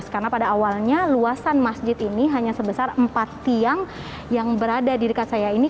karena pada awalnya luasan masjid ini hanya sebesar empat tiang yang berada di dekat saya ini